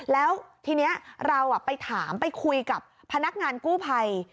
แล้วทีนี้เราไปถามไปคุยกับพนักงานกู้ภัย